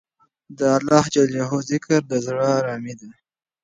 د اللهﷻ ذکر د زړه ارامي ده.